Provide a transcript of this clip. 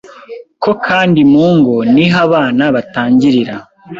koko kandi mu ngo ni ho abana batangirira